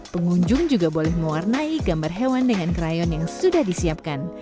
pengunjung juga boleh mewarnai gambar hewan dengan krayon yang sudah disiapkan